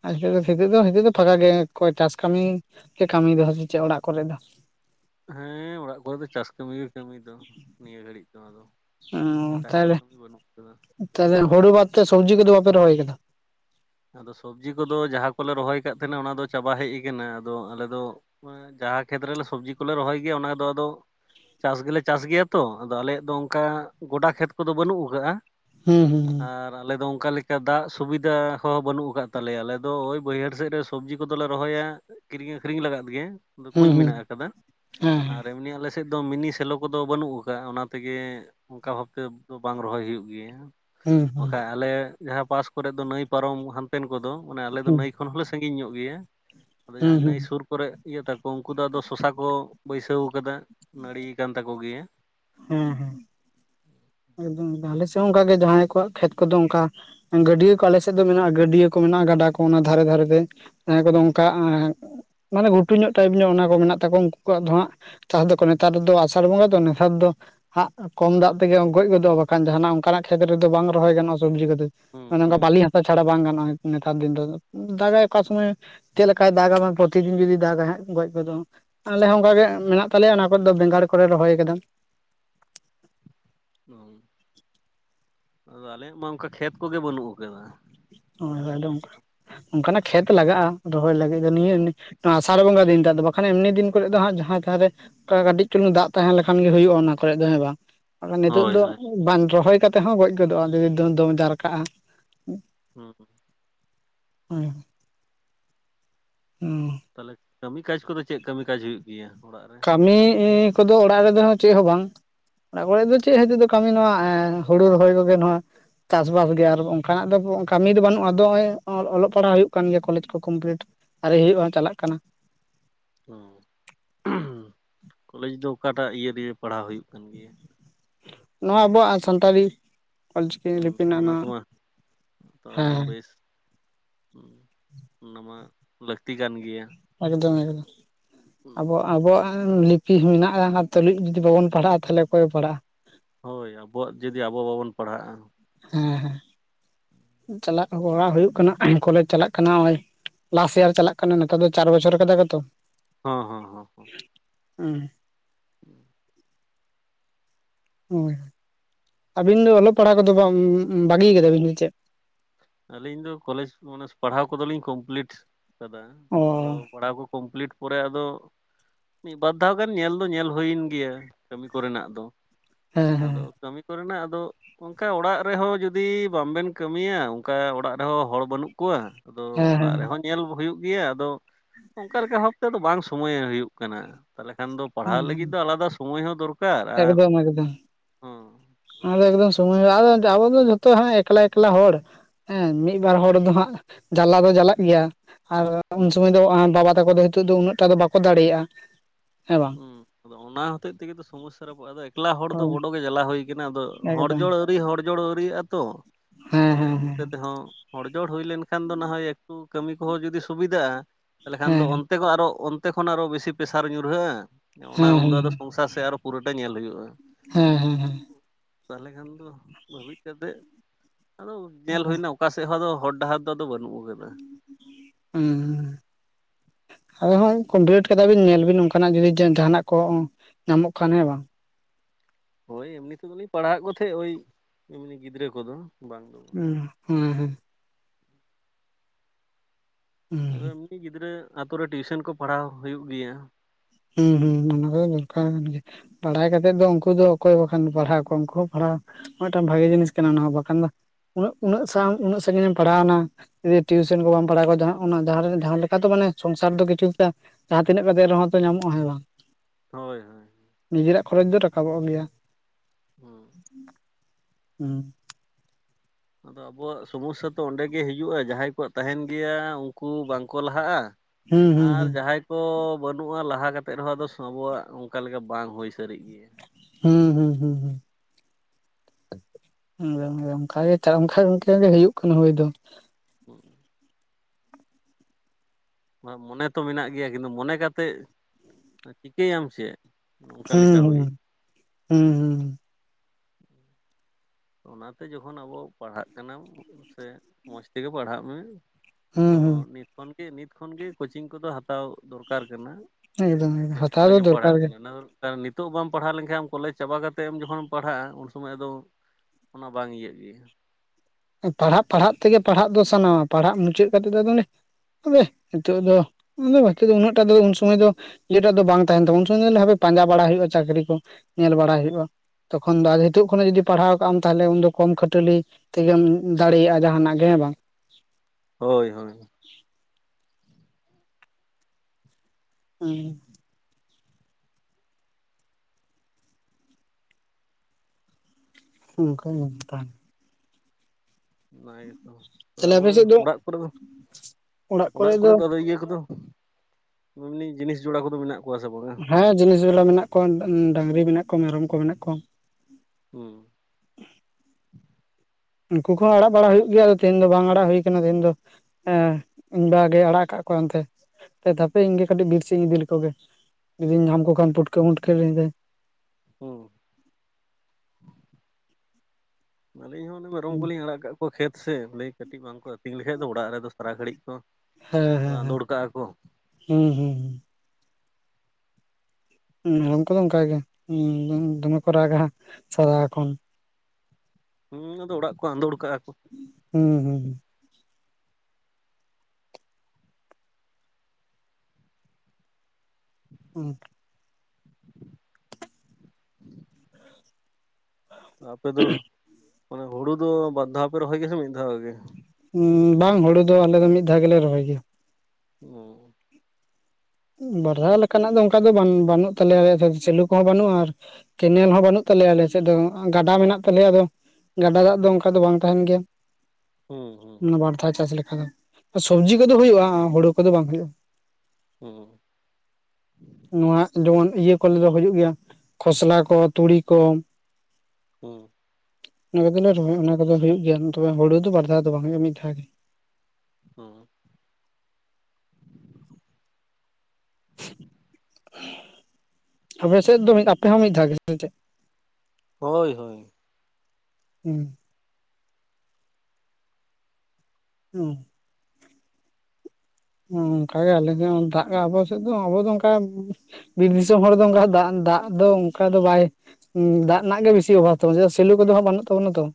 S2: ᱟᱨ ᱱᱤᱛᱚᱜ ᱫᱚ ᱱᱤᱛᱚᱜ ᱫᱚ ᱱᱤᱛᱚᱜ ᱫᱚ ᱯᱷᱟᱠᱟ ᱜᱮ ᱚᱠᱚᱭ ᱪᱟᱥ ᱠᱟᱹᱢᱤ, ᱠᱟᱹᱢᱤ ᱫᱚ ᱦᱮ ᱥᱮ ᱪᱮᱫ ᱚᱲᱟᱜ ᱠᱚᱨᱮ ᱫᱚ᱾
S1: ᱦᱮᱸ ᱚᱲᱟᱜ ᱠᱚᱨᱮ ᱫᱚ ᱪᱟᱥ ᱠᱟᱹᱢᱤ ᱜᱮ ᱠᱟᱹᱢ ᱫᱚ ᱱᱤᱭᱟᱹ ᱜᱷᱟᱹᱲᱤᱡ ᱫᱚ ᱟᱫᱚ,
S2: ᱚ
S1: ᱮᱴᱟᱜ ᱠᱚ
S2: ᱛᱟᱦᱚᱞᱮ
S1: ᱠᱟᱹᱢᱤ ᱵᱟᱹᱱᱩᱜ ᱠᱟᱫᱟ᱾
S2: ᱛᱟᱦᱚᱞᱮ ᱦᱩᱲᱩ ᱵᱟᱫ ᱛᱮ ᱥᱚᱵᱡᱤ ᱠᱚᱫᱚ ᱵᱟᱯᱮ ᱨᱚᱦᱚᱭ ᱠᱟᱫᱟ?
S1: ᱟᱫᱚ ᱥᱚᱵᱡᱤ ᱠᱚᱫᱚ ᱡᱟᱦᱟᱸ ᱠᱚᱞᱮ ᱨᱚᱦᱚᱭ ᱟᱠᱟᱫ ᱛᱟᱦᱮᱸᱱᱟ ᱚᱱᱟ ᱫᱚ ᱪᱟᱵᱟ ᱦᱮᱡ ᱠᱟᱱᱟ ᱟᱫᱚ ᱟᱞᱮ ᱫᱚ, ᱡᱟᱦᱟᱸ ᱠᱷᱮᱛᱨᱮᱞᱮ ᱥᱚᱵᱡᱤ ᱠᱚᱞᱮ ᱨᱚᱦᱚᱭ ᱜᱮᱭᱟ ᱚᱱᱟ ᱫᱚ ᱟᱫᱚ ᱪᱟᱥ ᱜᱮᱞᱮ ᱪᱟᱥ ᱜᱮᱭᱟ ᱛᱚ ᱟᱫᱚ ᱟᱞᱮᱭᱟᱜ ᱫᱚ ᱚᱱᱠᱟ ᱜᱚᱰᱟ ᱠᱷᱮᱛ ᱠᱚᱫᱚ ᱵᱟᱹᱱᱩᱜ ᱟᱠᱟᱜᱼᱟ᱾
S2: ᱦᱩᱸ ᱦᱩᱸ ᱦᱩᱸ,
S1: ᱟᱨ ᱟᱞᱮᱫᱚ ᱚᱱᱠᱟ ᱞᱮᱠᱟ ᱫᱟᱜᱽ ᱥᱩᱵᱤᱫᱟ ᱦᱚᱸ ᱵᱟᱹᱱᱩᱜ ᱟᱠᱟᱫ ᱛᱟᱞᱮᱭᱟ ᱟᱞᱮ ᱫᱚ ᱳᱭ ᱵᱟᱹᱭᱦᱟᱹᱲ ᱥᱮᱡ ᱨᱮ ᱥᱚᱵᱽᱡᱤ ᱠᱚᱫᱚᱞᱮ ᱨᱚᱦᱚᱭᱟ ᱠᱤᱨᱤᱧ ᱟᱠᱷᱨᱤᱧ ᱞᱟᱜᱟᱫ ᱜᱮ᱾ ᱫᱚ
S2: ᱦᱩᱸ
S1: ᱠᱩᱧ
S2: ᱦᱩᱸ ᱦᱩᱸ
S1: ᱢᱮᱱᱟᱜ ᱟᱠᱟᱫᱟ
S2: ᱦᱮᱸ
S1: ᱟᱨ ᱮᱢᱱᱮ ᱟᱞᱮ ᱥᱮᱫ ᱫᱚ ᱢᱤᱱᱤ ᱥᱮᱞᱚ ᱠᱚᱫᱚ ᱵᱟᱹᱱᱩᱜ ᱟᱠᱟᱫ ᱚᱱᱟ ᱛᱮᱜᱮ, ᱚᱱᱠᱟ ᱵᱷᱟᱵᱛᱮ ᱫᱚ ᱵᱟᱝ ᱨᱚᱦᱚᱭ ᱦᱩᱭᱩᱜ ᱜᱮᱭᱟ᱾
S2: ᱦᱮᱸ ᱦᱩᱸ
S1: ᱵᱟᱠᱷᱟᱡ ᱟᱞᱮ ᱡᱟᱦᱟᱸ ᱯᱟᱥ ᱠᱚᱨᱮ ᱫᱚ ᱱᱟᱹᱭ ᱯᱟᱨᱚᱢ ᱦᱟᱱᱛᱮᱱ ᱠᱚᱫᱚ ᱢᱟᱱᱮ ᱟᱞᱮ ᱫᱚ
S2: ᱦᱩᱸ ᱦᱩᱸ
S1: ᱱᱟᱹᱭ, ᱠᱷᱚᱱ ᱦᱚᱸᱞᱮ ᱥᱟᱺᱜᱤᱧ ᱧᱚᱜ ᱜᱮᱭᱟ ᱟᱫᱚ
S2: ᱦᱩᱸ
S1: ᱡᱟᱦᱟᱸᱭ
S2: ᱦᱩᱸ
S1: ᱱᱟᱹᱭ ᱥᱩᱨ ᱠᱚᱨᱮ, ᱤᱭᱟᱹ ᱛᱟᱠᱚ ᱩᱱᱠᱩ ᱫᱚ ᱟᱫᱚ ᱥᱚᱥᱟ ᱠᱚ ᱵᱟᱹᱭᱥᱟᱹᱣ ᱠᱟᱫᱟ ᱱᱟᱹᱲᱤᱭᱟ ᱟᱠᱟᱱ ᱛᱟᱠᱚ ᱜᱮᱭᱟ᱾
S2: ᱦᱮᱸ ᱦᱮᱸ, ᱮᱠᱫᱚᱢ ᱮᱠᱫᱚᱢ ᱟᱞᱮ ᱥᱮᱫ ᱦᱚᱸ ᱚᱱᱠᱟ ᱜᱮ ᱡᱟᱦᱟᱸᱭ ᱠᱚᱣᱟᱜ ᱠᱷᱮᱛ ᱠᱚᱫᱚ ᱚᱱᱠᱟ ᱜᱟᱹᱰᱭᱟᱹ ᱠᱚ ᱟᱞᱮᱥᱮᱫ ᱫᱚ ᱢᱮᱱᱟᱜᱼᱟ ᱜᱟᱹᱰᱭᱟᱹ ᱠᱚ ᱢᱮᱱᱟᱜᱼᱟ ᱜᱟᱰᱟ ᱠᱚ ᱚᱱᱟ ᱫᱷᱟᱨᱮ ᱫᱷᱟᱨᱮ ᱛᱮ᱾ ᱡᱟᱦᱟᱸᱭ ᱠᱚᱫᱚ
S1: ᱦᱩᱸ
S2: ᱚᱱᱠᱟ ᱢᱟᱱᱮ ᱜᱷᱩᱴᱩᱧᱚᱜ ᱴᱟᱭᱤᱯ ᱧᱚᱜ ᱚᱱᱟ ᱠᱚ ᱢᱮᱱᱟᱜ ᱛᱟᱠᱚᱣᱟ ᱩᱱᱠᱩ ᱠᱚᱣᱟᱜ ᱫᱚ ᱦᱟᱸᱜ, ᱪᱟᱥ ᱫᱚᱠᱚ ᱱᱮᱛᱟᱨ ᱫᱚ ᱟᱥᱟᱲ ᱵᱚᱸᱜᱟ ᱫᱚ ᱱᱮᱛᱟᱨ ᱫᱚ ᱦᱟᱸᱜ ᱠᱚᱢ ᱫᱟᱜᱽ ᱛᱮᱜᱮ ᱜᱚᱡ ᱜᱚᱫᱚᱜᱼᱟ ᱵᱟᱠᱷᱟᱱ ᱡᱟᱦᱟᱱᱟᱜ ᱚᱱᱠᱟᱱᱟᱜ ᱠᱷᱮᱛ ᱨᱮᱫᱚ ᱵᱟᱝ ᱨᱚᱦᱚᱭ ᱜᱟᱱᱚᱜ-ᱟ ᱥᱚᱵᱡᱤ ᱠᱚ ᱫᱚ
S1: ᱦᱩᱸ
S2: ᱚᱱᱮ ᱚᱱᱠᱟ
S1: ᱦᱩᱸ
S2: ᱵᱟᱞᱤ, ᱪᱷᱟᱲᱟ ᱵᱟᱝ ᱜᱟᱱᱚᱜᱼᱟ ᱱᱮᱛᱟᱨ ᱫᱤᱱ ᱫᱚ ᱫᱟᱜᱽ ᱜᱟᱭ ᱚᱠᱟ ᱥᱚᱢᱚᱭ ᱪᱮᱫ ᱞᱮᱠᱟᱭ ᱫᱟᱜᱟ ᱵᱟᱝ ᱯᱨᱚᱛᱤᱫᱤᱱ ᱡᱩᱫᱤ ᱫᱟᱜᱟᱭ ᱦᱟᱜ ᱜᱚᱡ ᱠᱚᱫᱚ, ᱟᱞᱮ ᱦᱚᱸ ᱚᱱᱠᱟ ᱜᱮ ᱢᱮᱱᱟᱜ ᱛᱟᱞᱮᱭᱟ ᱚᱱᱟ ᱠᱚᱨᱮ ᱫᱚ ᱵᱮᱸᱜᱟᱲ ᱠᱚᱨᱮ ᱨᱚᱦᱚᱭ ᱟᱠᱟᱫᱟ᱾
S1: ᱚᱸᱻ ᱟᱫᱚ ᱟᱞᱮᱭᱟᱜ ᱢᱟ ᱚᱱᱠᱟ ᱠᱷᱮᱛ ᱠᱚᱜᱮ ᱵᱟᱹᱱᱩᱜ ᱠᱟᱫᱟ᱾
S2: ᱦᱳᱭ ᱦᱳᱭ ᱚᱱᱠᱟᱱᱟᱜ ᱠᱷᱮᱛ ᱞᱟᱜᱟᱜᱼᱟ ᱟᱫ ᱨᱚᱦᱚᱭ ᱞᱟᱹᱜᱤᱫ ᱫᱚ ᱱᱤᱭᱟᱹ ᱱᱚᱣᱟ ᱟᱥᱟᱲ ᱵᱚᱸᱜᱟ ᱫᱤᱱ ᱴᱟᱜ ᱫᱚ ᱵᱟᱠᱷᱟᱱ ᱮᱢᱱᱤ ᱫᱤᱱ ᱠᱚᱨᱮᱜ ᱫᱚ ᱦᱟᱸᱜ ᱡᱟᱦᱟᱸᱭ ᱛᱟᱦᱟ ᱨᱮ, ᱠᱟᱹᱴᱤᱡ ᱪᱩᱞᱩᱝ ᱫᱟᱜ᱾ ᱛᱟᱦᱮᱸ ᱞᱮᱠᱷᱟᱱ ᱜᱮ ᱦᱩᱭᱩᱜᱜᱼᱟ ᱚᱱᱟ ᱠᱚᱨᱮ ᱫᱚ ᱦᱮᱸ ᱵᱟᱝ, ᱟᱫᱚ ᱱᱤᱛᱚᱜ
S1: ᱦᱳᱭ
S2: ᱫᱚ
S1: ᱦᱳᱭ
S2: ᱵᱟᱝ ᱨᱚᱦᱚᱭ ᱠᱟᱛᱮ ᱦᱚᱸ ᱜᱚᱡ ᱜᱚᱫᱚᱜᱼᱟ ᱡᱩᱫᱤ ᱫᱚᱢᱮ ᱡᱟᱨᱠᱟᱜᱼᱟ᱾
S1: ᱦᱮᱸ ᱦᱮᱸ,
S2: ᱦᱩᱸᱦᱩᱸ᱾ ᱦᱩᱸ
S1: ᱛᱟᱦᱚᱞᱮ ᱠᱟᱹᱢᱤ ᱠᱟᱡ ᱠᱚᱫᱚ ᱪᱮᱫ ᱠᱟᱹᱢᱤ ᱠᱟᱡ ᱦᱩᱭᱩᱜ ᱜᱮᱭᱟ ᱚᱲᱟᱜ ᱨᱮ,
S2: ᱢᱤ ᱻᱤ ᱠᱚᱫᱚ ᱚᱲᱟᱜ ᱨᱮᱫᱚ ᱪᱮᱫ ᱦᱚᱸ ᱵᱟᱝ᱾ ᱚᱱᱟ ᱠᱚᱨᱮ ᱫᱚ ᱪᱮᱫ ᱦᱤᱡᱩᱜ ᱫᱚ ᱠᱟᱹᱢᱤ ᱱᱚᱣᱟ ᱮ ᱦᱩᱲᱩ ᱨᱚᱦᱚᱭ ᱠᱚᱜᱮ ᱱᱚᱣᱟ, ᱪᱟᱥ ᱵᱟᱥ ᱜᱮᱭᱟ ᱟᱨ ᱚᱱᱠᱟᱱᱟᱜ ᱫᱚ ᱠᱟᱹᱢᱤ ᱫᱚ ᱵᱟᱹᱱᱩᱜᱼᱟ, ᱟᱫᱚ ᱱᱚᱜᱚᱭ ᱚᱞᱚᱜ ᱯᱟᱲᱦᱟᱜ ᱦᱩᱭᱩᱜ ᱠᱟᱱ ᱜᱮᱭᱟ ᱠᱚᱞᱮᱡᱽ ᱠᱚ ᱠᱚᱢᱯᱞᱤᱴ᱾ ᱟᱣᱨᱮ ᱦᱩᱭᱩᱜᱼᱟ ᱦᱚᱸ ᱪᱟᱞᱟᱜ ᱠᱟᱱᱟ᱾
S1: ᱦᱚᱸ ᱠᱚᱞᱮᱡᱽ ᱫᱚ ᱚᱠᱟᱴᱟᱜ ᱤᱭᱟᱹ ᱨᱮᱜᱮ ᱯᱟᱲᱦᱟᱣ ᱦᱩᱭᱩᱜ ᱠᱟᱱ ᱜᱮᱭᱟ?
S2: ᱱᱚᱣᱟ ᱟᱵᱚᱣᱟᱜ ᱥᱟᱱᱛᱟᱞᱤ᱾
S1: ᱦᱚᱸ ᱚᱱᱟ ᱠᱚᱢᱟ ᱛᱚ ᱟᱹᱰᱤ
S2: ᱦᱮᱸ
S1: ᱵᱮᱥ, ᱦᱩᱸ ᱚᱱᱟ ᱢᱟ ᱞᱟᱹᱠᱛᱤ ᱠᱟᱱ ᱜᱮᱭᱟ᱾
S2: ᱮᱠᱫᱚᱢ ᱮᱠᱫᱚᱢ ᱟᱵᱚᱣᱟᱜ ᱟᱵᱚᱣᱟᱜ ᱞᱤᱯᱤ ᱢᱮᱱᱟᱜ-ᱟ, ᱛᱩᱞᱩᱡ ᱡᱩᱫᱤ ᱵᱟᱵᱚᱱ ᱯᱟᱲᱦᱟᱜ-ᱟ, ᱛᱟᱦᱞᱮ ᱚᱠᱚᱭ ᱵᱚ ᱯᱟᱲᱦᱟᱜᱼᱟ?
S1: ᱦᱳᱭ ᱟᱵᱚᱣᱟᱜ ᱡᱩᱫᱤ ᱟᱵᱚ ᱵᱟᱵᱚᱱ ᱯᱟᱲᱦᱟᱜ-ᱟ᱾
S2: ᱦᱩᱸ ᱦᱩᱸ ᱪᱟᱞᱟᱜ [unintelligible] ᱦᱩᱭᱩᱜ ᱠᱟᱱᱟ ᱠᱚᱞᱮᱡᱽ ᱪᱟᱞᱟᱜ ᱠᱟᱱᱟ [unintelligible] ᱞᱟᱥᱴ ᱤᱭᱟᱨ ᱪᱟᱞᱟᱜ ᱠᱟᱱᱟ ᱱᱮᱛᱟᱨ ᱫᱚ ᱪᱟᱨ ᱵᱚᱪᱷᱚᱨ ᱠᱟᱫᱟ ᱠᱚᱛᱚ᱾
S1: ᱦᱚᱸ ᱦᱚᱸ ᱦᱚᱸ ᱦᱚᱸ᱾
S2: ᱦᱩᱸ᱾
S1: ᱦᱩᱸ᱾
S2: ᱦᱩᱸ, ᱟᱹᱵᱤᱱ ᱫᱚ ᱚᱞᱚᱜ ᱯᱟᱲᱦᱟᱜ ᱠᱚᱫᱚ ᱵᱟᱝ ᱵᱟᱹᱜᱤ ᱠᱟᱫᱟ ᱵᱤᱱ ᱥᱮ ᱪᱮᱫ?
S1: ᱟᱹᱞᱤᱧ ᱫᱚ ᱠᱚᱞᱮᱡᱽ ᱢᱚᱞᱮᱡᱽ ᱯᱟᱲᱦᱟᱣ ᱠᱚᱫᱚᱞᱤᱧ ᱠᱚᱢᱯᱞᱤᱴ ᱠᱟᱫᱟ᱾
S2: ᱚ
S1: ᱟᱫᱚ ᱯᱟᱲᱦᱟᱣ ᱠᱚ ᱠᱚᱢᱯᱞᱤᱴ ᱯᱚᱨᱮ ᱟᱫᱚ ᱢᱤᱫ ᱵᱟᱨ ᱫᱷᱟᱣ ᱜᱟᱱ ᱧᱮᱞ ᱫᱚ ᱧᱮᱞ ᱦᱩᱭᱮᱱ ᱜᱮᱭᱟ ᱠᱟᱹᱢᱤ ᱠᱚᱨᱮᱱᱟᱜ ᱫᱚ᱾
S2: ᱦᱮᱸ
S1: ᱟᱫᱚ ᱠᱟᱹᱢᱤ ᱠᱚᱨᱮᱱᱟᱜ ᱟᱫᱚ ᱚᱝᱠᱟ ᱚᱲᱟᱜ ᱨᱮᱦᱚᱸ ᱡᱩᱫᱤ ᱵᱟᱝᱵᱮᱱ ᱠᱟᱹᱢᱤᱭᱟ᱾ ᱚᱱᱠᱟ ᱚᱲᱟᱜ ᱨᱮᱦᱚᱸ ᱦᱚᱲ ᱵᱟᱹᱱᱩᱜ ᱠᱚᱣᱟ ᱟᱫᱚ
S2: ᱦᱮᱸ ᱦᱮᱸ
S1: ᱚᱲᱟᱜ ᱨᱮᱦᱚᱸᱧ ᱧᱮᱞ ᱦᱩᱭᱩᱜ ᱜᱮᱭᱟ ᱟᱫᱚ ᱚᱱᱠᱟ ᱞᱮᱠᱟ ᱵᱷᱟᱵᱽ ᱛᱮᱫᱚ ᱵᱟᱝ ᱥᱚᱢᱚᱭᱚᱜ ᱦᱩᱭᱩᱜ ᱠᱟᱱᱟ, ᱛᱟᱦᱞᱮ ᱠᱷᱟᱱ ᱫᱚ ᱯᱟᱲᱦᱟᱣ
S2: ᱦᱮᱸ ᱦᱮᱸ
S1: ᱞᱟᱹᱜᱤᱫ ᱫᱚ ᱟᱞᱟᱫᱟ ᱥᱚᱢᱚᱭ ᱦᱚᱸ ᱫᱚᱨ
S2: ᱮᱠᱫᱚᱢ ᱮᱠᱫᱚᱢ᱾ ᱟᱫᱚ ᱮᱠᱫᱚᱢ ᱥᱚᱢᱚᱭ-ᱟ, ᱟᱫᱚ ᱟᱵᱚ ᱫᱚ ᱡᱷᱚᱛᱚ ᱮᱠᱞᱟ ᱮᱠᱞᱟ ᱦᱚᱲ᱾ ᱦᱮᱸ ᱢᱤᱫ ᱵᱟᱨ ᱦᱚᱲ ᱫᱚ ᱦᱟᱸᱜ ᱡᱟᱞᱟ ᱫᱚ ᱡᱟᱞᱟᱜ ᱜᱮᱭᱟ᱾ ᱟᱨ ᱩᱱ
S1: ᱦᱩᱸ
S2: ᱥᱚᱢᱚᱭ ᱫᱚ ᱵᱟᱵᱟ ᱛᱟᱠᱚ ᱫᱚ ᱦᱤᱸᱛᱚᱜ ᱫᱚ ᱩᱱᱟᱹᱜ ᱴᱟ ᱫᱚ ᱵᱟᱠᱚ ᱫᱟᱲᱮᱭᱟᱜ-ᱟ ᱦᱮᱸ ᱵᱟᱝ?
S1: ᱦᱩᱸ, ᱟᱫᱚ ᱚᱱᱟ ᱦᱚᱛᱮᱡ ᱛᱮᱜᱮ ᱛᱚ ᱥᱚᱢᱚᱥᱥᱟ ᱨᱮ ᱟᱫᱚ ᱮᱠᱞᱟ ᱦᱚᱲ ᱫᱚ
S2: ᱦᱳᱭ
S1: ᱵᱚᱰᱚ‌ ᱜᱮ ᱡᱟᱞᱟ ᱦᱩᱭ ᱟᱠᱟᱱᱟᱱᱟ᱾ ᱟᱫᱚ ᱦᱚᱲ
S2: ᱮᱠᱫᱚᱢ
S1: ᱡᱚᱲ ᱟᱹᱰᱤ ᱦᱚᱲ ᱡᱚᱲ ᱟᱹᱣᱨᱤᱭᱟᱜ-ᱟ ᱛᱚ,
S2: ᱦᱮᱸ
S1: ᱛᱟᱦᱞᱮ
S2: ᱦᱮᱸ
S1: ᱚᱱᱛᱮ ᱛᱮᱦᱚᱸ ᱦᱚᱲ-ᱡᱚᱲ ᱦᱩᱭ ᱞᱮᱱᱠᱷᱟᱱ ᱫᱚ ᱱᱟᱦᱳᱭ ᱮᱠᱴᱩ ᱠᱟᱹᱢᱤ ᱠᱚᱦᱚᱸ ᱡᱩᱫᱤ ᱥᱩᱵᱤᱫᱟᱜ-ᱟ᱾ ᱛᱟᱦᱞᱮ ᱠᱷᱟᱱ ᱫᱚ
S2: ᱦᱮᱸ
S1: ᱚᱱᱛᱮ ᱠᱷᱚᱱ ᱟᱨᱚ, ᱚᱱᱛᱮ ᱠᱷᱚᱱ ᱟᱨᱚ ᱵᱮᱥᱤ ᱯᱮᱥᱟᱨ ᱧᱩᱨᱦᱟᱹᱜ-ᱟ᱾ ᱚᱱᱟ
S2: ᱦᱮᱸ ᱦᱮᱸ
S1: ᱩᱱᱫᱚ
S2: ᱦᱮᱸ
S1: ᱟᱫᱚ ᱥᱚᱝᱥᱟᱨ ᱥᱮ ᱟᱨᱚ ᱯᱩᱨᱟᱹᱴᱟ ᱧᱮᱞ ᱦᱩᱭᱩᱜ-ᱟ᱾
S2: ᱦᱩᱸ ᱦᱩᱸ ᱦᱩᱸ᱾
S1: ᱛᱟᱦᱞᱮ ᱠᱷᱟᱱ ᱫᱚ ᱵᱷᱟᱹᱵᱤᱛ ᱠᱟᱛᱮᱫ ᱟᱫᱚ ᱧᱮᱞ
S2: ᱮᱠᱫᱚᱢ
S1: ᱦᱩᱭᱱᱟ᱾ ᱚᱠᱟ ᱥᱮᱫ ᱦᱚᱸ ᱟᱫᱚ ᱦᱚᱨ ᱰᱟᱦᱟᱨ ᱫᱚ ᱟᱫᱚ ᱵᱟᱹᱱᱩᱜ ᱟᱠᱟᱫᱟ᱾
S2: ᱦᱩᱸ ᱦᱩᱸ᱾ ᱦᱳᱭ, ᱠᱚᱢᱯᱞᱤᱴ ᱠᱟᱫᱟᱵᱤᱱ ᱧᱮᱞᱵᱤᱱ ᱚᱝᱠᱟᱱᱟᱜ ᱡᱩᱫᱤ ᱡᱟᱸᱦᱟᱱᱟᱜ ᱠᱚ ᱧᱟᱢᱚᱜ ᱠᱷᱟᱱ ᱦᱮᱸ ᱵᱟᱝ᱾
S1: ᱦᱳᱭ ᱮᱢᱱᱤ ᱛᱮᱫᱚᱞᱤᱧ ᱯᱟᱲᱦᱟᱣᱮᱫ ᱠᱚ ᱛᱟᱦᱮᱸᱡ ᱳᱭ ᱮᱢᱱᱤ ᱜᱤᱫᱽᱨᱟᱹ ᱠᱚᱫᱚ, ᱵᱟᱝ ᱫᱚ ᱵᱟᱝ
S2: ᱩᱸ, ᱦᱩᱸ ᱦᱩᱸ᱾
S1: ᱟᱫᱚ ᱮᱢᱱᱤᱛᱮ ᱜᱤᱫᱽᱨᱟᱹ ᱟᱹᱛᱩ ᱴᱤᱭᱩᱥᱚᱱ ᱠᱚ ᱯᱟᱲᱦᱟᱣ ᱦᱩᱭᱩᱜ ᱜᱮᱭᱟ᱾
S2: ᱦᱩᱸ ᱦᱩᱸ ᱚᱱᱟ ᱫᱚ ᱫᱚᱨᱠᱟᱨ ᱠᱟᱱ ᱜᱮ᱾ ᱵᱟᱲᱟᱭ ᱠᱟᱛᱮᱫ ᱫᱚ ᱩᱱᱠᱩ ᱫᱚ ᱚᱠᱚᱭ ᱵᱟᱠᱷᱟᱱ ᱯᱟᱲᱦᱟᱣ ᱠᱚᱣᱟ? ᱩᱱᱠᱩ ᱦᱚᱸ ᱯᱟᱲᱦᱟᱣ ᱢᱤᱫᱴᱟᱝ ᱵᱷᱟᱜᱤ ᱡᱤᱱᱤᱥ ᱠᱟᱱᱟ ᱱᱚᱣᱟ ᱵᱟᱠᱷᱟᱱ ᱫᱚ ᱩᱱᱟᱹᱜ ᱩᱱᱟᱹᱜ ᱥᱟ ᱩᱱᱟᱹᱜ ᱥᱟᱺᱜᱤᱧᱮᱢ ᱯᱟᱲᱦᱟᱣᱱᱟ᱾ ᱡᱮ ᱴᱤᱭᱩᱥᱚᱱ ᱠᱚ ᱵᱟᱢ ᱯᱟᱲᱦᱟᱣ ᱠᱚᱣᱟ ᱡᱟᱦᱟᱸ, ᱚᱱᱟ ᱡᱟᱦᱟᱸ ᱢᱟᱦᱟᱸ ᱞᱮᱠᱟ ᱛᱚ ᱢᱟᱱᱮ ᱥᱚᱝᱥᱟᱨ ᱫᱚ ᱠᱤᱪᱷᱩᱴᱟ ᱡᱟᱦᱟᱸ ᱛᱤᱱᱟᱹᱜ ᱠᱟᱛᱮᱫ ᱨᱮᱦᱚᱸ ᱛᱚ ᱧᱟᱢᱚᱜ-ᱟ ᱦᱮᱸ ᱵᱟᱝ᱾
S1: ᱦᱳᱭ ᱦᱳᱭ᱾
S2: ᱱᱤᱡᱮᱨᱟᱜ ᱠᱷᱚᱨᱚᱪ ᱫᱚ ᱨᱟᱠᱟᱵᱚᱜ ᱜᱮᱭᱟ᱾
S1: ᱦᱩᱸ᱾
S2: ᱦᱩᱸ᱾
S1: ᱟᱫᱚ ᱟᱵᱚᱣᱟᱜ ᱥᱚᱢᱚᱥᱥᱟ ᱛᱚ ᱚᱸᱰᱮ ᱜᱮ ᱦᱤᱡᱩᱜ-ᱟ ᱡᱟᱦᱟᱸᱭ ᱠᱚᱣᱟᱜ ᱛᱟᱸᱦᱮᱱ ᱜᱮᱭᱟ ᱩᱝᱠᱩ ᱵᱟᱝᱠᱚ ᱞᱟᱦᱟᱜ-ᱟ᱾
S2: ᱦᱩᱸ ᱦᱩᱸ
S1: ᱟᱨ
S2: ᱦᱩᱸ
S1: ᱡᱟᱦᱟᱸᱭ ᱠᱚ ᱵᱟᱹᱱᱩᱜᱼᱟ ᱞᱟᱦᱟ ᱠᱟᱛᱮᱫ ᱨᱮᱦᱚᱸ ᱟᱫᱚ ᱥᱚᱵᱚᱜᱟ ᱚᱱᱠᱟ ᱞᱮᱠᱟ ᱵᱟᱝ ᱦᱩᱭ ᱥᱟᱹᱨᱤᱜ ᱜᱮᱭᱟ
S2: ᱦᱩᱸ ᱦᱩᱸ ᱦᱩᱸ ᱦᱩᱸ ᱦᱩᱸ ᱚᱱᱠᱟᱜᱮ ᱪᱟᱞᱟᱳ ᱠᱷᱟᱱ ᱜᱮ ᱦᱩᱭᱩᱜ ᱠᱟᱱᱟ ᱦᱩᱭ ᱫᱚ
S1: ᱦᱩᱸ ᱢᱟ ᱢᱚᱱᱮ ᱛᱚ ᱢᱮᱱᱟᱜ ᱜᱮᱭᱟ ᱠᱤᱱᱛᱩ ᱢᱚᱱᱮ ᱠᱟᱛᱮᱫ ᱪᱤᱠᱟᱹᱭᱟᱢ ᱪᱮᱜ
S2: ᱦᱩᱸ ᱦᱩᱸ
S1: ᱦᱮᱸ ᱚᱱᱟᱛᱮ ᱡᱚᱠᱷᱚᱱ ᱟᱵᱚ ᱯᱟᱲᱦᱟᱜ ᱠᱟᱱᱟᱢ ᱥᱮ ᱢᱚᱸᱡᱽ ᱛᱮᱜᱮ ᱯᱟᱲᱦᱟᱜ ᱢᱮ
S2: ᱦᱩᱸ
S1: ᱛᱚ
S2: ᱦᱩᱸ
S1: ᱱᱤᱛ ᱠᱷᱚᱱᱜᱮ ᱱᱤᱛ ᱠᱷᱚᱱᱜᱮ ᱠᱳᱪᱤᱝ ᱠᱚᱫᱚ ᱦᱟᱛᱟᱣ ᱫᱚᱨᱠᱟᱨ ᱠᱟᱱᱟ
S2: ᱮᱠᱫᱚᱢ ᱮᱠᱫᱚᱢ
S1: ᱡᱮᱦᱩᱛᱩ
S2: ᱦᱟᱛᱟᱣ ᱫᱚ
S1: ᱠᱚᱞᱮᱡᱽ ᱮᱢ
S2: ᱫᱚᱨᱠᱟᱨ
S1: ᱯᱟᱲᱦᱟᱜ
S2: ᱜᱮ
S1: ᱠᱟᱱᱟ ᱚᱱᱟ ᱠᱟᱨ ᱱᱤᱛᱚᱜ ᱵᱟᱢ ᱯᱟᱲᱦᱟᱣ ᱞᱮᱱᱠᱷᱟᱱ ᱟᱢ ᱠᱚᱞᱮᱡᱽ ᱪᱟᱵᱟ ᱠᱟᱛᱮ ᱡᱚᱠᱷᱚᱱᱮᱢ ᱯᱟᱲᱦᱟᱜᱼᱟ ᱩᱱ ᱥᱚᱢᱚᱭ ᱟᱫᱚ ᱚᱱᱟ ᱵᱟᱝ ᱤᱭᱟᱹᱜ ᱜᱮ
S2: ᱯᱟᱲᱦᱟᱜ ᱯᱟᱲᱦᱟᱜ ᱛᱮᱜᱮ ᱯᱟᱲᱦᱟᱜ ᱫᱚ ᱥᱟᱱᱟᱣᱟ ᱯᱟᱲᱦᱟᱜ ᱢᱩᱪᱟᱹᱫ ᱠᱟᱛᱮ ᱟᱫᱚ ᱚᱱᱮ ᱛᱚᱵᱮ ᱱᱤᱛᱚᱜ ᱫᱚ ᱩᱱᱟᱜ ᱵᱷᱟᱠᱤ ᱫᱚ ᱩᱱᱟᱹᱜ ᱴᱟ ᱫᱚ ᱩᱱ ᱥᱚᱢᱚᱭ ᱫᱚ ᱤᱭᱟᱹᱴᱟᱜ ᱫᱚ ᱵᱟᱝ ᱛᱟᱦᱮᱱ ᱛᱟᱵᱚᱱ ᱩᱱ ᱥᱚᱢᱚᱭ ᱱᱟ ᱦᱟᱯᱮ ᱯᱟᱸᱡᱟ ᱵᱟᱲᱟ ᱦᱩᱭᱩᱜᱼᱟ ᱪᱟᱹᱠᱨᱤ ᱠᱚ ᱧᱮᱞ ᱵᱟᱲᱟ ᱦᱩᱭᱩᱜᱼᱟ᱾ ᱛᱚᱠᱷᱚᱱ ᱫᱚ ᱟᱨ ᱱᱤᱛᱚᱜ ᱠᱷᱚᱱᱟᱜ ᱡᱚᱫᱤ ᱯᱟᱲᱦᱟᱣ ᱠᱟᱜᱟ ᱛᱟᱦᱚᱞᱮ ᱩᱱ ᱫᱚ ᱠᱚᱢ ᱠᱷᱟᱹᱴᱟᱹᱞᱤ ᱛᱮᱜᱮᱢ ᱫᱟᱲᱮᱭᱟᱜᱼᱟ ᱡᱟᱦᱟᱱᱟᱜ ᱜᱮ ᱦᱮᱸ ᱵᱟᱝ᱾
S1: ᱦᱳᱭ ᱦᱳᱭ
S2: ᱦᱮᱸ ᱚᱱᱠᱟ ᱜᱮᱯ ᱯᱟ
S1: ᱚᱱᱟ ᱜᱮᱛᱚ
S2: ᱛᱟᱦᱚᱞᱮ ᱟᱯᱮ
S1: ᱟᱵᱚᱨᱮᱱ
S2: ᱥᱮᱫ
S1: ᱦᱲᱟᱜ ᱠᱚᱨᱮ ᱫᱚ ᱚᱲᱟᱜ ᱠᱚᱨᱮ ᱫᱚ ᱟᱫᱚ ᱤᱭᱟᱹ ᱠᱚᱫᱚ ᱮᱢᱱᱤ ᱡᱤᱱᱤᱥ ᱡᱚᱲᱟ ᱠᱚᱫᱚ ᱢᱮᱱᱟᱜ ᱠᱚᱣᱟ ᱥᱮ ᱵᱟᱝᱟ?
S2: ᱦᱮᱸ ᱡᱤᱱᱤᱥ ᱡᱚᱞᱟ ᱢᱮᱱᱟᱜ ᱠᱚᱣᱟ ᱰᱟᱝ ᱰᱟᱝᱨᱤ ᱢᱮᱱᱟᱜ ᱠᱚᱣᱟ ᱢᱮᱨᱚᱢ ᱠᱚ ᱢᱮᱱᱟᱜ ᱠᱚᱣᱟ᱾
S1: ᱦᱩᱸ
S2: ᱩᱱᱠᱩ ᱠᱚᱦᱚ ᱟᱲᱟᱜ ᱵᱟᱲᱟ ᱦᱩᱭᱩᱜ ᱜᱮᱭᱟ ᱟᱫᱚ ᱛᱮᱦᱧ ᱫᱚ ᱵᱟᱝ ᱟᱲᱟᱜ ᱦᱩᱭᱩ ᱠᱟᱱᱟ ᱛᱮᱦᱮᱧ ᱫᱚ ᱦᱮᱸ ᱤᱧᱵᱟ ᱜᱮ ᱟᱲᱟᱜ ᱠᱟᱜ ᱠᱚᱣᱟ ᱚᱱᱛᱮ ᱛᱟᱯᱮ ᱤᱧᱜᱮ ᱠᱟᱹᱴᱤᱡ ᱵᱤᱨ ᱥᱤᱧ ᱤᱫᱤ ᱞᱮᱠᱚ ᱜᱮ ᱡᱩᱫᱤᱧ ᱧᱟᱢ ᱠᱚ ᱠᱷᱟᱱ ᱯᱩᱴᱠᱟᱹ ᱢᱩᱴᱠᱟᱹ ᱞᱟᱹᱭᱫᱟ
S1: ᱦᱚᱸ ᱟᱞᱤᱧ ᱦᱚ ᱩᱱᱤ ᱢᱟ ᱨᱩᱢ ᱠᱚᱞᱤᱧ ᱟᱲᱟᱜ ᱠᱟᱜ ᱠᱚ ᱠᱷᱮᱛ ᱥᱮ ᱵᱚᱞᱮ ᱠᱟᱹᱴᱤᱡ ᱵᱟᱝᱠᱚ ᱟᱹᱛᱤᱧ ᱞᱮᱠᱷᱟᱡ ᱫᱚ ᱚᱲᱟᱜ ᱨᱮᱫᱚ ᱥᱟᱨᱟ ᱜᱷᱟᱹᱲᱤᱡ ᱠᱚ
S2: ᱦᱮᱸ ᱦᱮᱸ ᱦᱮᱸ
S1: ᱟᱸᱫᱳᱲ ᱠᱟᱜᱼᱟ ᱠᱚ
S2: ᱦᱩᱸ ᱦᱩᱸ ᱦᱩᱸ ᱦᱩᱱᱠᱩ ᱫᱚ ᱚᱱᱠᱟᱜᱮ ᱦᱩᱸ ᱦᱩᱸ ᱫᱚᱢᱮ ᱠᱚ ᱨᱟᱜᱟ ᱦᱟᱜ ᱥᱟᱨᱟ ᱠᱷᱚᱱ
S1: ᱦᱩᱸ ᱟᱫᱚ ᱚᱲᱟᱜ ᱠᱚ ᱦᱟᱸᱫᱚᱲ ᱠᱟᱜ-ᱟ ᱠᱚ
S2: ᱦᱩᱸ ᱦᱩᱸ ᱦᱩᱸ
S1: ᱟᱯᱮ ᱫᱚ ᱚᱱᱮ ᱦᱩᱲᱩ ᱫᱚ ᱵᱟᱨ ᱫᱷᱟᱣ ᱯᱮ ᱨᱚᱦᱚᱭ ᱜᱮᱭᱟ ᱥᱮ ᱢᱤᱫ ᱫᱷᱟᱣ ᱜᱮ?
S2: ᱩᱸ ᱵᱟᱝ ᱦᱩᱲᱩ ᱫᱚ ᱟᱞᱮ ᱫᱚ ᱢᱤᱫ ᱫᱷᱟᱣ ᱜᱮᱞᱮ ᱨᱚᱦᱚᱭ ᱜᱮᱭᱟ᱾
S1: ᱚ
S2: ᱵᱟᱨ ᱫᱷᱟᱣ ᱞᱮᱠᱟᱱᱟᱜ ᱫᱚ ᱚᱱᱠᱟ ᱫᱚ ᱵᱟᱝ ᱵᱟᱹᱱᱩᱜ ᱛᱟᱞᱮᱭᱟ ᱟᱞᱮ ᱫᱚ ᱥᱮᱞᱩ ᱠᱚᱦᱚᱸ ᱵᱟᱹᱱᱩᱜᱼᱟ ᱟᱨ ᱠᱮᱱᱮᱞ ᱦᱚᱸ ᱵᱟᱹᱱᱩᱜ ᱛᱟᱞᱮᱭᱟ ᱟᱞᱮ ᱥᱮᱫ ᱫᱚ ᱜᱟᱰᱟ ᱢᱮᱱᱟᱜ ᱛᱟᱞᱮᱭᱟ ᱟᱫᱚ ᱜᱟᱰᱟ ᱫᱟᱜ ᱫᱚ ᱚᱱᱠᱟ ᱫᱚ ᱵᱟᱝ ᱛᱟᱦᱮᱱ ᱜᱮᱭᱟ
S1: ᱦᱩᱸ
S2: ᱵᱟᱨ
S1: ᱦᱩᱸ
S2: ᱫᱷᱟᱣ ᱪᱟᱥ ᱞᱮᱠᱟ ᱫᱚ ᱥᱚᱵᱡᱤ ᱠᱚᱫᱚ ᱦᱩᱭᱩᱜᱼᱟ᱾ᱦᱩᱲᱩ ᱠᱚᱫᱚ ᱵᱟᱝ ᱦᱩᱭᱩᱜᱼᱟ᱾
S1: ᱚ
S2: ᱱᱚᱣᱟ ᱡᱮᱢᱚᱱ ᱤᱭᱟᱹ ᱠᱚᱞᱮ ᱫᱚ ᱦᱩᱭᱩᱜ ᱜᱮᱭᱟ ᱠᱷᱚᱥᱞᱟ ᱠᱚ ᱛᱩᱲᱤ ᱠᱚ
S1: ᱦᱩᱸ
S2: ᱱᱚᱣᱟ ᱠᱚᱫᱚ ᱨᱚᱦᱚᱭᱟ ᱚᱱᱟᱠᱚᱫᱚ ᱦᱩᱭᱩᱜ ᱜᱮᱭᱟ ᱛᱚᱵᱮ ᱦᱩᱲᱩ ᱫᱚ ᱵᱟᱨ ᱫᱷᱟᱣ ᱫᱚ ᱵᱟᱝ ᱦᱩᱭᱩᱜᱼᱟ ᱢᱤᱫ ᱫᱷᱟᱣ ᱜᱮ
S1: ᱦᱚᱸ᱾ [inaudible]
S2: ᱟᱵᱚ ᱥᱮᱫ ᱫᱚ ᱟᱯᱮ ᱦᱚᱸ ᱢᱤᱫ ᱫᱷᱟᱣ ᱜᱮ ᱥᱮ ᱪᱮᱫ?
S1: ᱦᱳᱭ ᱦᱳᱭ᱾
S2: ᱦᱩᱸ᱾ ᱦᱩᱸ᱾ ᱚᱝᱠᱟᱜᱮ ᱟᱞᱮ ᱫᱟᱜ ᱟᱵᱚ ᱥᱮᱫ ᱫᱚ ᱟᱵᱚ ᱫᱚ ᱚᱝᱠᱟ ᱩᱸ ᱵᱤᱨ ᱫᱤᱥᱚᱢ ᱦᱚᱲ ᱫᱚ ᱚᱝᱠᱟ ᱫᱟᱜ ᱫᱟᱜ ᱫᱚ ᱚᱝᱠᱟ ᱫᱚ ᱵᱟᱭ ᱦᱩᱸ, ᱫᱟᱜ ᱨᱮᱱᱟᱜ ᱜᱮ ᱵᱤᱥᱤ ᱚᱵᱷᱟᱛ ᱛᱟᱵᱚ ᱪᱮᱫᱟᱜ ᱥᱮᱞᱚ ᱠᱚᱫᱚᱦᱟᱸᱜ ᱵᱟᱱᱩᱜ ᱛᱟᱵᱚᱱᱟ ᱛᱚ᱾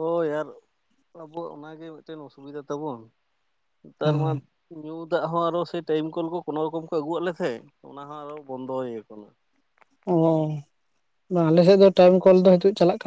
S1: ᱦᱳᱭ ᱟᱨ ᱟᱵᱚᱣᱟᱜ ᱚᱱᱟᱜᱮ ᱢᱤᱫᱴᱮᱱ ᱚᱥᱩᱵᱤᱫᱟ ᱛᱟᱵᱚᱱ᱾ ᱛᱟᱨ ᱢᱟ ᱧᱩᱛ ᱧᱩ ᱫᱟᱜ ᱦᱚᱸ ᱟᱨᱚ ᱥᱮ ᱴᱟᱭᱤᱢ ᱠᱚᱞ ᱠᱚ ᱠᱚᱱᱳ ᱨᱚᱠᱚᱢ ᱠᱚ ᱟᱹᱜᱩᱣᱟᱜ ᱞᱮ ᱛᱟᱦᱮᱸᱡ ᱚᱱᱟ ᱦᱚᱸ ᱟᱨᱚ ᱵᱚᱱᱫᱚ ᱤᱭᱟᱹ ᱠᱟᱱᱟ᱾
S2: ᱚ, ᱵᱟᱝ ᱟᱞᱮ ᱥᱮᱫ ᱫᱚ ᱴᱟᱭᱤᱢ ᱠᱚᱞ ᱫᱚ ᱱᱤᱛᱚᱜ ᱪᱟᱞᱟᱜ ᱠᱟᱱ